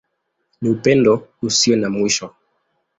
Ni Upendo Usio na Mwisho.